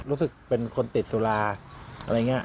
รู้สึกเป็นคนติดสุราอะไรอย่างนี้